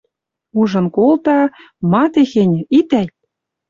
Ужын колта... Ма техеньӹ, итӓй...